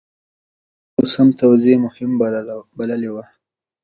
هغه د اوبو سم توزيع مهم بللی و.